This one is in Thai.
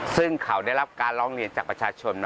ซึ่งเขาได้รับการร้องเรียนจากประชาชน